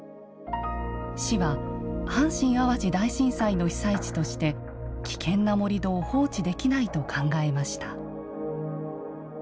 市は阪神・淡路大震災の被災地として危険な盛土を放置できないと考えました。